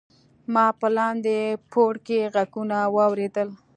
ما په لاندې پوړ کې غږونه واوریدل.